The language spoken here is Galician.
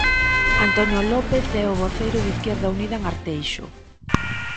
Antonio López é o voceiro de Izquierda Unida en Arteixo.